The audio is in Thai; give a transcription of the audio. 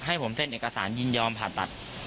ให้ผมเซ็นเอกสารยินยอมผ่าตัด